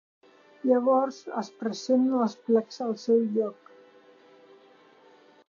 Llavors es pressionen els plecs al seu lloc.